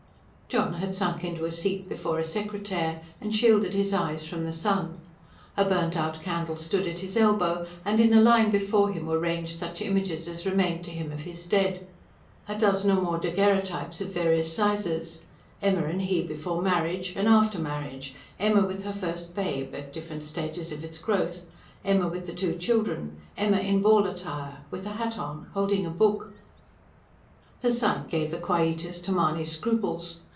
John had sunk into a seat before a secretaire, and shielded his eyes from the sun. A burnt out candle stood at his elbow; and in a line before him were ranged such images as remained to him of his dead a dozen or more daguerrotypes, of various sizes: Emma and he before marriage and after marriage; Emma with her first babe, at different stages of its growth; Emma with the two children; Emma in ball attire; with a hat on; holding a book. The sight gave the quietus to Mahony's scruples.